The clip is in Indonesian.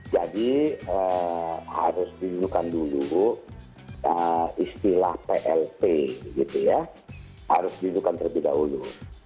jadi harus ditunjukkan dulu istilah plt gitu ya harus ditunjukkan terlebih dahulu